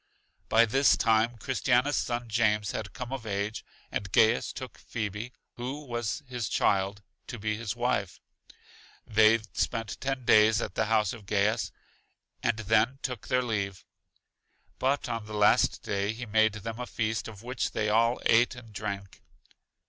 By this time Christiana's son James had come of age, and Gaius gave Phebe (who was his child) to be his wife. They spent ten days at the house of Gaius, and then took their leave. But on the last day he made them a feast, of which they all ate and drank.